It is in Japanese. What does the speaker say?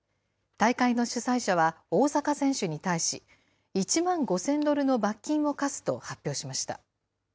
大会の主催者は、大坂選手に対し、１万５０００ドルの罰金を科すと発表しました。